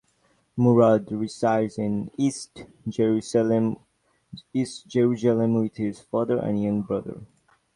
Murad resides in East Jerusalem with his father and younger brother.